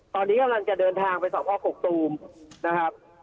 ตอนนี้กำลังจะเดินทางไปสอบพ่อกกตูมนะครับ